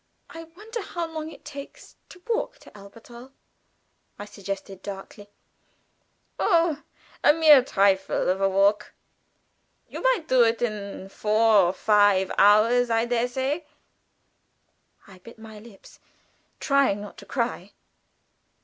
"I wonder how long it takes to walk to Elberthal!" I suggested darkly. "Oh, a mere trifle of a walk. You might do it in four or five hours, I dare say." I bit my lips, trying not to cry.